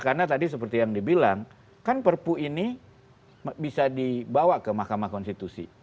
karena tadi seperti yang dibilang kan perpu ini bisa dibawa ke mahkamah konstitusi